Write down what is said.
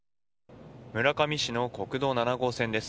村上市の国道７号線です。